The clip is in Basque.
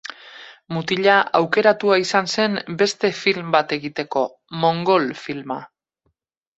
Mutila aukeratua izan zen beste film bat egiteko; Mongol filma.